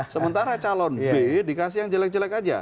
sementara calon b dikasih yang jelek jelek aja